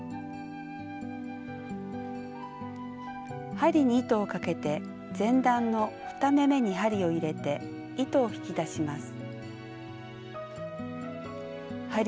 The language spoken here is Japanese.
針に糸をかけて前段の２目めに針を入れて糸を引き出します。